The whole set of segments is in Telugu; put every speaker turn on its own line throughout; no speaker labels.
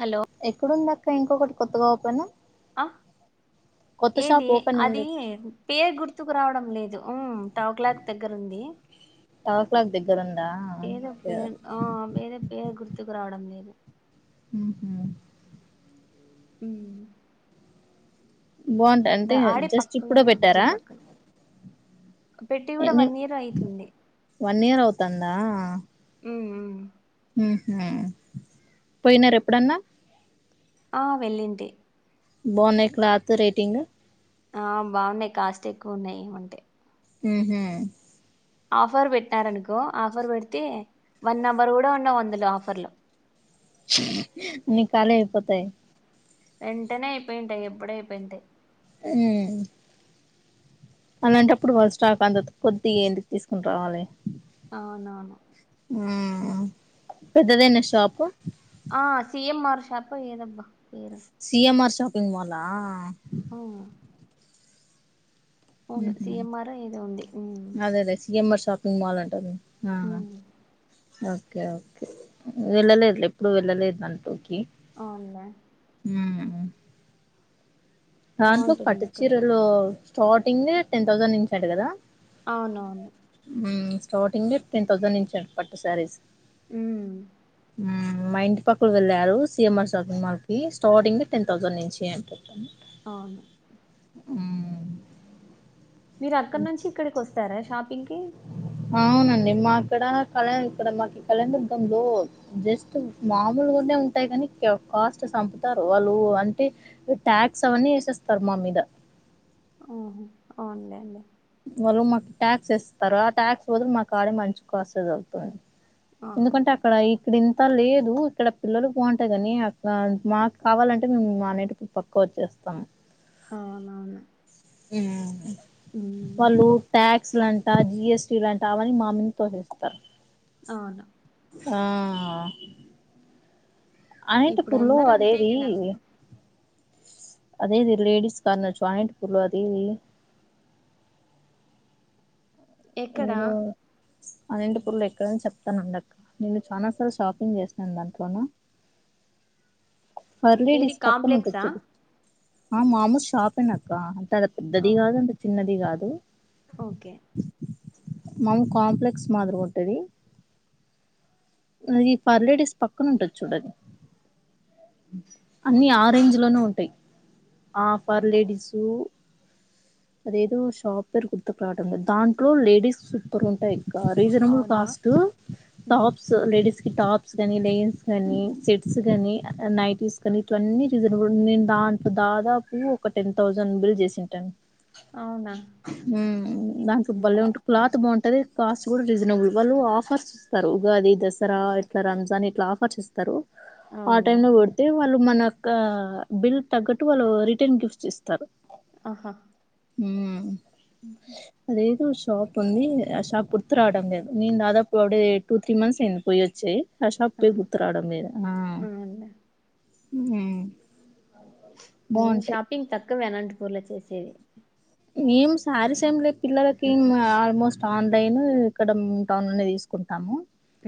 హలో
ఎక్కడుంద అక్క ఇంకొకటి కొత్తగా పోనా
ఆ ఏది
ఓపెనింగ్
అది పేరు గుర్తుకు రావడం లేదు ఉ ఫైవ్ క్లాక్ దగ్గర ఉంది
తాక్లాగదుడి
ఏదో పేరు ఆ ఏదో పేరు గుర్తుకు రావడం లేదు
మ్ హు
మ్
బాగుంటా అంటే జస్ట్ ఇప్పుడో
పక్కలోనే జీ
పెట్టారా
పక్కన పెట్టి కూడా
ఎన్
వన్ ఇయర్ అయితుంది
వన్ ఇయర్ అవుతందా
ఆఆ
పోయినరేప్పుడన్నా
ఆ వెళ్ళింటి
బాగున్నాయ్ క్లాత్ రేటింగ్
ఆ బాగున్నాయి్ కాస్ట్ ఎక్కువ ఉన్నాయి ఏమంటే
మ్ హు
ఆఫర్ పెట్టినారనుకో ఆఫర్ పెడితే వన్ అవర్ కూడా ఉండవందులో ఆఫర్లో
అన్ని కాలైపోతాయి
వెంటనే అయిపోయింటాయి ఎప్పుడో అయిపోయింటాయి
మ్ అలాంటప్పుడు వాళ్ళు స్టాక్ అంత కొద్దిగే ఏందుకు తీసుకోని రావాలే
అవునవును
ఆ పెద్దదేనా షాపు
షాప్ప ఎదబ్బ
సిఎంఆర్ షాపింగ్ మాల్ ఆ
ఆ
మ్ హు
సిఎంఆర్ ఏదో ఉంది ఉమ్
అదే అదే సిఎమ్ అర్ షా పింగ్ మాల్ అంటారు ఆ
ఉమ్
ఓకే ఓకే వెళ్ళలేదు లే ఎప్పుడు వెళ్ళలేదు దాంట్లోకి
అవున
మ్ దాంట్లో పట్టు
బాగుంటుంది ఇక్కడ కూడా
చీరలు స్టార్టింగ్ ఏ టెన్ థౌసండ్ నుంచట కదా
అవునవును
మ్ స్టార్టింగే టెన్ థౌసండ్ నుంచాట పట్టు శారీస్
మ్
మ్ మా ఇంటి పక్కొల్లు వెళ్ళారు సిీఎంఆర్ షాపింగ్ మాల్ కి స్టార్టింగ్ టెన్ థౌసండ్ నుంచి అని చెప్
అవును మీరు అక్కడనుంచి ఇక్కడికోస్తారా షాపింగ్ కి
అవునండి మకడ కళ్యా ఇక్కడ మాకి కళ్యాణ దర్గంలో జస్ట్ మామూలుగా ే ఉంటాయి కాని కాస్ట్ చంపుతారు వాళ్ళు అంటే టాక్స్ అవన్నీ వేసేస్తారు మా మీద అ
ఆహా అవును లెండి
వాళ్ళు మాకు ట్యాక్స్ ఏస్తార ఆ ట్యాక్స్ బదులు మాకు ఆడే మంచి కాసేదవుతుంది
అవును
ఎందుకంటే అక్కడా యి ఇక్కడ ఇంత లేదు ఇక్కడ పిల్లలు బాగుంటాయి కాని అక్క మాకు కావాలంటే మేము మా నేటివ్ పక్క ఫర్ చేస్తాం
అవునవును ఉమ్
వాళ్ళు ట్యాక్ క్స్ లాంటా జిఎస్టీ లాంటా అవన్ని మామీన్నే తోసేస్తారు
అవును
ఆ
ఇప్పుడు
అనంతపుర్లో
అందరు అంతే
అదేది
కదా
అదేది లేడిస్ కన్న జాయింట్పూర్ లో అది
ఎక్కడా
అదేంటి పూర్లు ఎక్కడైన చెప్తానుండక్క నేను చాలా సార్లు షాపింగ్ చేసినాను దాంట్లోన పర్
ఏది
లేడీస్ పక్కన ఉంటది
కాంప్లెక్సా
చూడు ఆ మామూలు షాపేనక్క అంటె అ
ఆ
పెద్దది కాదు అంటె చిన్నది కాదు
ఓకే
మాది కాంప్లెక్స్ మాదిరిగ ఉంటది అ ఈ ఫర్ లేడీస్ పక్కన ఉంటది చూడది అన్నీ ఆ
ఏ,
రేంజ్ లోనె ఉంటయి ఆ ఫర్ లేడీసు అదేదో సాఫ్ట్వేర్ గుర్తు కాదండి దాంట్లో లేడీస్ సూపర్ గ ఉంటయి ఆ రీజనబుల్
అవునా
కాస్ట్
ఉహు
టాప్ లేడీస్ కి టాప్స్ గనీ లెగిన్స్ కానీ సెట్స్ గానీ నైటీస్ కానీ ఇట్ల అన్ని రీజనబుల్ ఉంటయి నేను దాంత్ దాదాపూ ఒక టెన్ థౌజండ్ బిల్ చేసింటను
అవునా
హుమ్ దాంట్లో బల్లే
ఉమ్
ఉంటు క్లాత్ బాగుంటు వాళ్ల కాస్ట్ కూడ రీజనబుల్ వాళ్ళు ఆఫర్స్ ఇస్తరు ఉగాది, దసరా, ఇట్ల రంజాన్ ఇట్ల ఆఫర్స్ ఇస్తరు ఆ టైం
అవునులే
లో పెడితే వాళ్ళు మన క బిల్ తగ్గట్టు వాళ్ళు రిటర్న్ గిఫ్ట్స్ ఇస్తరు
ఆహా
ఊమ్మ్ అదే దోష్ షాప్ ఉంది ఆ షాప్ గుర్తు రావడం లేదు నేను దాదాపు అవిడ టూ త్రీ మంత్స్ అయింది పోయి అచ్చి ఆ షాప్ పేరు గుర్తు రావడం లేదు ఆ
అవునులే
ఉమ్
నేను షాపింగ్ తక్కువేనండి పూర్ల చేసే
నేను సారీస్ ఏం లేదు పిల్లలకి ఆల్మోస్ట్ ఆన్లైన్ ఇక్కడ మేం టౌన్ లో తీసుకుంటాము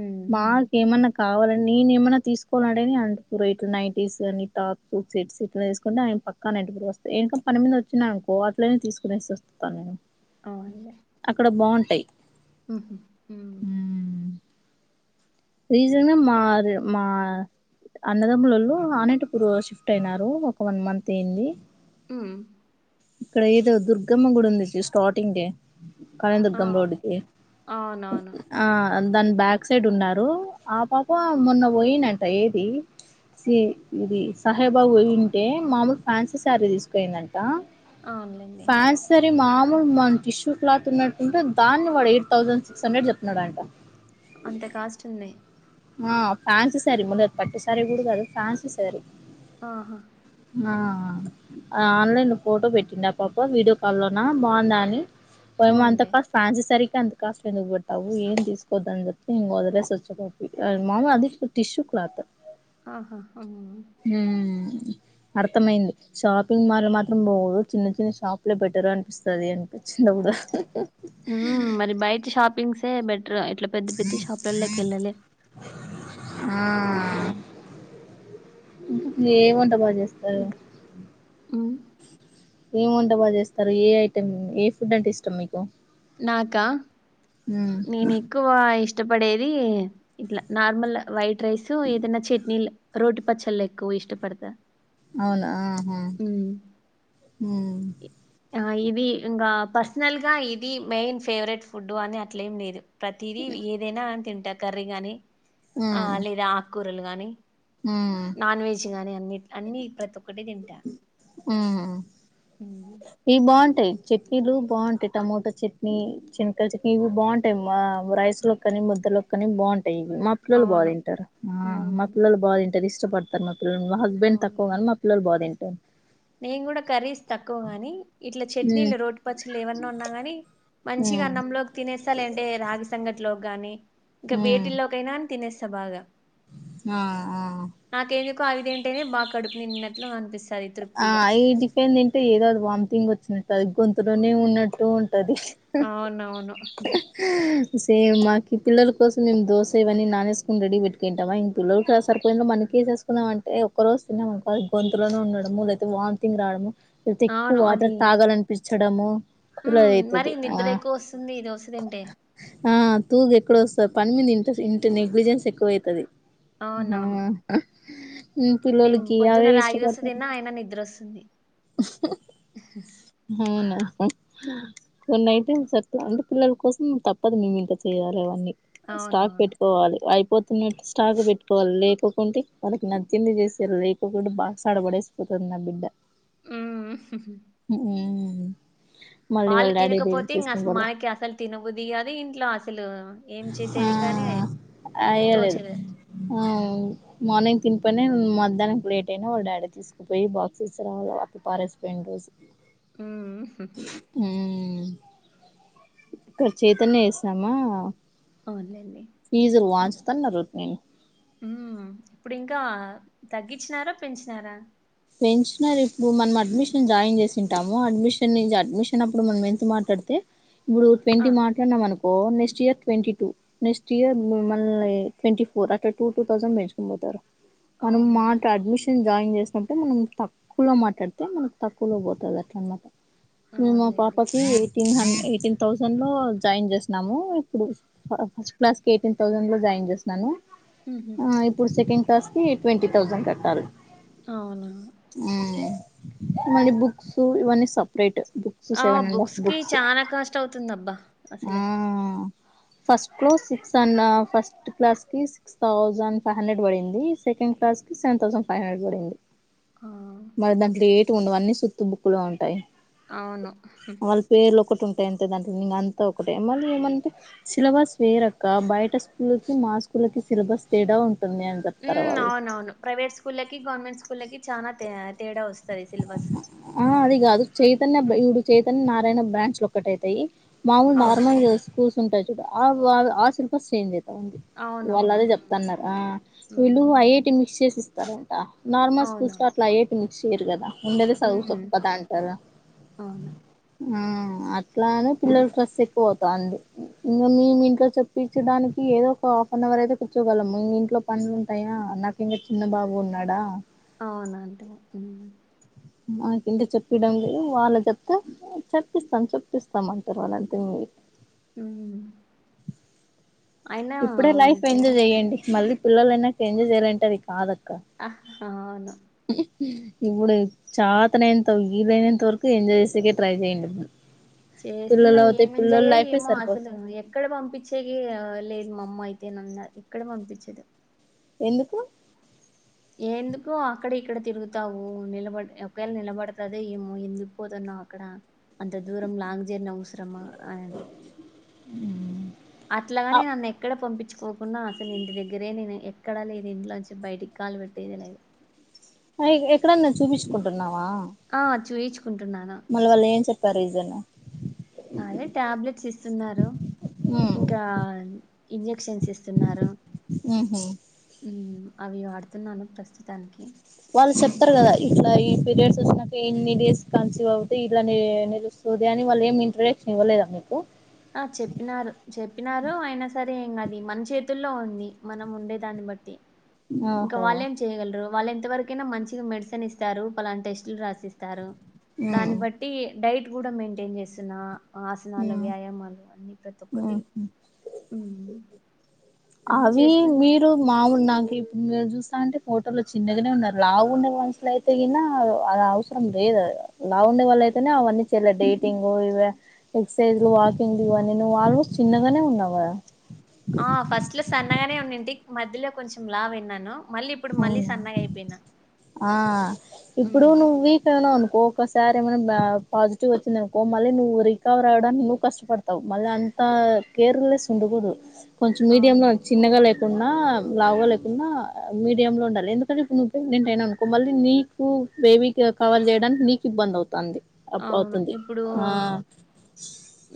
ఉమ్
మాకు ఏమన్న కావాలని నేను ఏమైన్న తీసుకోవాలనేది అంట ఇట్ల నైటీస్ అని టాప్స్, సెట్స్ ఇట్ల తీసుకుంటె ఆయన [inaudible] పక్కా నైటీలు కూడ వస్తయి ఏంటన్న పనిమిద వచ్చినానుకో అట్లనే తీసుకునేసి వస్తాను నేను
అవునులే
అక్కడ బాగుంటాయి
ఉహు ఉమ్మ్
రీజన్ మార్ మార్ అన్నదమ్ములలో ఆనటిపూర్ షిఫ్ట్ అయినారు ఒక వన్ మంత్ ఐయ్యంది
ఉమ్
ఇక్కడ ఏదో దుర్గమ్మ గుడి ఉంది చూడు స్టార్టింగ్ గే
ఆ
కళీందుర్గం రోడ్కి
అవునవును
ఆ దాని బ్యాక్ సైడ్ ఉన్నారు ఎప్పుడు ఆ పాప మొన్న పోయినంట ఏపీ [inaudible] సి ఇది సాహెబాబు ఉంటె మామూలు ఫ్యాన్సీ శారీ తీసుకుపోయిందండి. ఆ
అవునులేండి
ఫ్యాన్సీ సారీ బాగుంది మన టిష్యూ క్లాత్ ఉన్నట్టుంటె దాన్ని వాడు ఎయిట్ థౌసండ్ సిక్స్ హండ్రెడ్ చెప్తున్నాడంట
అంత కాస్ట్ ఉన్నయి
ఆ ఫ్యాన్సీ సారీ ముందర పట్టు సారీ కూడ కాదు ఫ్యాన్సీ సారీ
ఆహా
ఆ ఆన్లైన్ లో ఫోటో పెట్టిండ పాప వీడియో కాల్లోన బాగుందా అని పోమ్మ అంత
అవునులే
కా ఫ్యాన్సీ సారీ ఎంత కాస్ట్ అని చెప్పావు ఏం తీసుకోవద్దని అని జెప్పి ఇంగ వదిలేఅచ్చ [unintelligible] మామూలుగ అది టిష్యూ క్లాత్
ఆహా ఊమ్
అ అర్థమైంది. షాపింగ్ మాల్ మాత్రం పోదు చిన్న చిన్న షాప్లే బెటర్ అనిపిస్తది అనిపిచ్చింది గుడా
మ్ మరి బయటి షాపింగ్సే బెట్ రా ఇట్ల పెద్ద పెద్ద షాపులల్లోకి కెల్లలే
ఏ వంట బాగా చేస్తారు.
ఇంకా ఉమ్
ఏం వంట బాగ్ చేస్తారు. ఏ ఐటెమ్, ఏ ఫుడ్ అంటే ఇష్టం మీకు?
నాకా నేన్ ఎక్కువ ఇష్ ఇష్టపడేది ఇట్ల నార్మల్ వైట్ రైస్ ఏదన్న చట్నీల్ రోటి పచ్చళ్ ఎక్కు ఇష్టపడ్త.
అవునా ఆహా మ్
ఆ ఇది ఇంకా పర్సనల్గా ఇది మెయిన్ ఫేవరెట్ ఫుడ్డు అని అట్లేం లేదు. ప్రతిదీ ఏదైనా తింటా కర్రీ గాని ఆ లేదా ఆకుకూరలు గాని
మ్
గాని అన్ని అన్ని ప్రతి ఒక్కటీ తింటా. హ్మ్.
ఈ బాగుంట్ టయ్ చట్నీలు బాగుంటయి. టమోటో చట్నీ, [unintelligible] చట్నీ ఇవి బాగుంటాయి మా రైస్లో కనీ ముద్దలొక్కని బాగుంటయి. మా పిల్లలు బాగా
అవును.
తింటరు. ఆ మా
హ్మ్.
పిల్లలు బా తింటరు ఇష్టపడతారు మా పిల్లలు మా హస్బెండ్ తక్కువగానీ మా పిల్లలు బాగా తింటరు.
నేన్ గుడా కర్రీస్ తక్కువ్ గాని ఇట్లా
ఉమ్
చట్నీలు రోటిపచ్చళ్ళు ఏమన్నా ఉన్నా గనీ మంచిగా
ఉమ్
అన్నంలోక్ తినేస్తా లేదంటే రాగి సంగట్లోకి గాని ఇంకా
ఉమ్
వేటిల్లోకైనా తినేస్త బాగా
ఆ ఆ
నాకేందుకో అవి తింటేనే బాగా కడుపు నిన్నట్ల పంపిస్తది
ఆ అయి టిఫెన్ తింటే ఏదో అది వామిటింగ్ వచ్చినట్టు అది గొంతులోనే ఉన్నట్టు టది.
అవునవును.
సేమ్ మాకి పిల్లల కోసం మేం దోస ఇవన్ని నానేస్కొన్ రెడీ పెట్టుకుంటామా ఇంతులో సరిపోయింద మనకి తీసేస్కున్నాం అంటే ఒక్కరోజు తిన్నాం అనుకో అది గొంతులోనే ఉండడం. మామూలైతే వామిథింగ్ రావడము లేతే ఎక్కు వాటర్ తాగాలనిపిచ్చడము
మ్ మరి నిద్ర ఎక్కు వస్తుంది ఇది వస్తదంటే
ఆ తూగ ఎక్కడోస్తది పన్ మీద ఇంట ఇంత నెగ్లిజెన్స్ ఎక్కువైతది. ఆ
అవునవును
పిల్లలకి అవే ఇష్టపడతారు.
నిద్రొస్తుంది.
అవునా కొన్నైతే అసల్ అంటే పిల్లల కోసం తప్పదు మేము ఇంకా చేయాలె అవన్నీ స్టాక్
అవునవును
పెట్టుకోవాలి. అయిపోతున్నట్టు స్టాక్ పెట్టుకోవాలి లేక కుంటే వాళ్ళకి నచ్చింది చేసే లేకుంటే బాక్స్ ఆడ పడేసిపోతది నా బిడ్డ
మ్
మ్
వాళ్ళు తినకపోతే ఇంక అస
పోలే
మనకే అసలు తినబుద్ధి కాదు. ఇంట్లో అసలు ఏం చేసేది కానీ నే
ఆ ఏయ లేదు. మార్నింగ్ తిన్ పోయినై మధ్యాహ్ననికి లేట్ అయినా వాళ్ళ డాడీ తీసుకుపోయి బాక్సెస్ రావాల వాటిని పారేసిపోయిన రోజు
మ్
ఉమ్. ఇక్కడ చైతనే యేసినామా
అవున్లెండి.
తన్న రూత్పిన్
ఉ ఇప్పుడు ఇంకా తగ్గించినారా, పెంచినారా?
పెంచినారు ఇప్పుడు మనం అడ్మిషన్ జాయిన్ చేసింటాము. అడ్మిషన్ న్ని అడ్మిషన్ అప్పుడు మనం ఎంత మాట డితే ఇప్పుడు
ఆ
ట్వంటీ మాట్లాడన్నాము అను ఓ next year twenty two, next year మళ్ళీ ట్వంటీ ఫోర్ అ టూ టూ థౌండ్ పెంచుకుని పోతారు మనం
అవునా
మాట అడ్మిషన్ జాయిన్ చేసినప్పు తే మనం తక్కువలో మాట్లాడితే మనకు తక్కువలో పోతుంది అట్ అన్నమాట. మేము
అవునులేండి
పాపకి త్రి హండ్రెడ్ ఎయిటీన్ థౌసండ్ లో జాయిన్ చేసినాము. ఇప్పుడు ఫస్ట్ క్లాస్ కి ఎయిటీన్ థౌసండ్ లో జాయిన్ ఏం జేస్తాను
ఉహు
ఆ ఇప్పుడు సెకండ్ క్లాస్ కి ట్వంటీ థౌసండ్ కట్టాలి.
అవునా
ఆ మళ్ళీ బుక్స్ ఇవన్నీ సపరేట్ బుక్స్
ఆ
సెవెన్ అండ్ హాఫ్
బుక్స్ కి చానా కాస్ట్ అవుతుంద అబ్బా అసల
అ ఫస్ట్ సిక్స్ అన్నావ్, ఫస్ట్ క్లాస్ కి సిక్స్ థౌజండ్, ఫైవ్ హండ్రెడ్ పడింది. Second class seven thousand five hundred పడింది.
ఆ
మరి దాంట్లో ఏటు ఉండవు అన్నీ సుతు బుక్కులు ఉంటాయి.
అవును
టెన్త్ డానికి నేనన్ తా ఒక్కటే మళ్ళీ ఏమంటే సిలబస్ వేరక్క బయట స్కూల్కి, మా స్కూళ్ళకి సిలబస్ తేడా ఉ
ఉమ్ నవునవును ప్రైవేట్ స్కూల్లకి, గవర్నమెంట్ స్కూల్లకి చానా తే తేడా వస్తది సిలబస్
ఆ అది కాదు చైతన్య బె
ఉమ్,
ఇడు చైతన్య నారాయణ బ్రాండ్ స్లో కటయితాయి మావులు
అవును
నార్మల్గా స్ కూల్స్ ఉంటాయి చూడు ఆ వాగా ఆ సిల్పస్ చేంజ్ అ వాళ
అవునవును
అదే
ఉమ్
చెప్తన్నారు ఆ
ఉమ్
వీళ్ళు ఐఐటి మిక్స్ చేసి ఇస్తారంట నార్మల్ సూస్కో
అవునవును
అట్లా ఏటిన్ చేయరు కదా ఉండేది చదువు
ఉమ్
సోప్పదా అంటారు
అవును
ఆ అట్లానే పిల్లలుకు స్ట్రెస్ ఎక్కువ అవుతంది. ఇంగా మీ మీ ఇంట్లో చేప్పించడానికి ఏదో ఒక హాఫ్ అన్ అవర్ అయితే కూర్చో గలము ఇంట్లో పనులు ఉంటాయా, నాకు ఇంకా చిన్న బాబు ఉన్నాడా
అవునాంటే మ్
మాకి ఇంటి చెప్పడం లేదు వాళ్ళ చెప్తే చెప్పిస్తాం చప్పిస్తామ అంటారు వాళ్ళ అంతే మీ
మ్
ఇప్పుడే లైఫ్ ఎంజయ్ చేయండి. మళ్ళీ పిల్లల అయినాక ఎంజయ్ చేయాలంటే అది కాదు.
హ అవును
ఇప్పుడు చాతనైనంత వీలైనంత వరకు ఎంజాయ్ చేసేకే ట్రై చేయండి ఇక
చేస్తున్నా ఏమేంజయ్య
లైఫే
ఏమో
సరిపోదు
అసలు ఎక్కడ పంపించేగి లేదు. మా అమ్మ అయితే నన్ను ఎక్కడ పంపించదు.
ఎందుకు?
ఎందుకు అక్కడ ఇక్కడ తిరుగుతావు. నిలబడి ఒకవేళ నిలబడతద ఏమో ఎందుకు పోతున్నా అక్కడ అంత దూరం లాంగ్ జర్నీ అవసరమా అని అంట
ఆ
అట్లాగానే నన్ను ఎక్కడ పంపి ర్చుకోకుండా అసలు ఇంటి దగ్గరే నేను ఎక్కడా లేదే ఇంట్లో నుంచి బయటికి కాలు పెట్టేది లేదు.
అయిగ ఎక్కడ నే చూపించుకుంటున్నావ్?
ఆ చూయిచ్చుకుంటున్నాను.
సరిజనా
అవి టాబ్లెట్స్ ఇస్తున్నారు. ఇంకా ఇంజక్షన్స్ ఇస్తున్నారు.
ఆహ్
మ్మ్ అవి వడుతున్నాను ప్రస్తుతానికి
వాళ్ళు చెప్తారు కదా ఇట్లా పీరియడ్స్ వచ్చినాక ఇన్ని డేస్ కన్సీవ్ అవుతే ఇలా నిలు సూదయాన్ని వాల్ళ ఏమి ఇంట్రొడక్షన్ ఇవ్వలేదా మీకు
ఆ చెప్పినారు చెప్పినారు అయినా సరే ఏం ఆది మన చేతుల్లో ఉంది మనం ఉండే దాన్ని బట్టి ఇంకా
ఓహో
వాళెం చేయగలరు వళం ఎంతవరకైనా మంచిగా మెడిసిన్ ఇస్తారు పలానా టెస్టులు రాసిస్తారు దాన్ని
ఉమ్
బట్టి డైట్ కూడా మెయింటైన్ చేస్తున్నా ఆసనాలు వ్యాయామాలు అన్ని ప్రతి ఒక్కటి
ఆహ్
అన్ని
అవి
చేస్తున్నాను
మీరు మాములు నాకు ఇప్పుడు మీరు చూస్త అంటే ఫోటోలో చిన్నగానే ఉన్నారు లావు్ ఉన్న మనుషల అయితే ఈనా అది అవసరం లేదు లావు్ ఉండే వాళ్ళ అయితేనే అవన్నీ చెల్లే డేటింగ్ ఇవ ఎక్సర్సైజ్లు వాకింగ్ ఇవన్నీ నువ్వు ఆల్మోస్ట్ చిన్నగానే ఉన్నావుా
ఆ ఫస్ట్ లో సన్నగానే ఉన్నిడింటి మధ్యలో కొంచెం లావు అయ్యను
అవునా ఆ ఇప్పుడు
ఉమ్,
ను వీకా అనా ఒక్కొక్కసారి ఏమైనా పాజిటివ్ వచ్చింద అనుకో మళ్ళీ నువ్వు రికవర్ అవ్వడానికి నువ్వు కష్టపడతావు మళ్ళీ అంత ఆహ్ కేర్లెస్ గా ఉండకూదు కొంచెం మీడియం లో
అవును
చిన్నగా లేకుండా లావు్గా లేకుండా మీడియ లో ఉండాలి ఎందుకంటే ఇప్పుడు నువవు ప్రెగ్నెంట్ అయినా అనుకో మళ్ళీ నీకు బేబీకి కావల్ చేయడానికి నీ ఇబ అవుతుంది
అవును
అవుతుంది
ఇప్పుడు
ఆ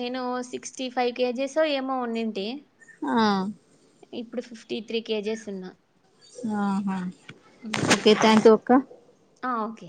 నేను సిక్స్ సిక్టీ ఫైవ్ కేజెస్ ఏమో ఉండంటి
ఆహ్
ఇప్పుడు ఫిఫ్టీ త్రీ కేజీస్ ఉన్నా
ఆహా ఓకే థ్యాంక్ యూ అక్క
ఆహ్ ఓకే